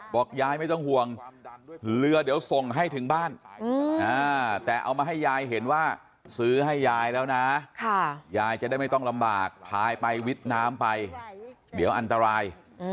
บอกยายไม่ต้องห่วงเรือเดี๋ยวส่งให้ถึงบ้านแต่เอามาให้ยายเห็นว่าซื้อให้ยายแล้วนะยายจะได้ไม่ต้องลำบากพายไปวิทย์น้ำไปเดี๋ยวอันตราย